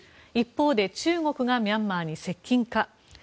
一方で中国がミャンマーに接近か。